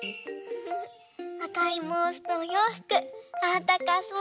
あかいぼうしとおようふくあったかそう！